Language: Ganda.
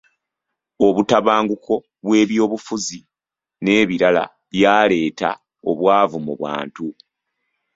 Obutabanguko bw’ebyobufuzi n’ebirala byaleeta obwavu mu bantu.